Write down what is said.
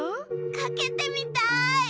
かけてみたい！